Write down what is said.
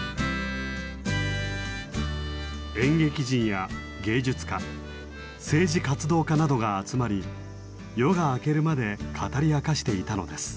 演劇人や芸術家政治活動家などが集まり夜が明けるまで語り明かしていたのです。